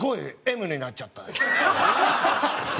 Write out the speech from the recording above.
「Ｍになっちゃった」。